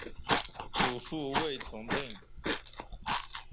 祖父卫从政。